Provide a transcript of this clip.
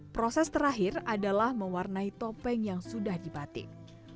proses terakhir adalah mewarnai topeng yang sudah dibatik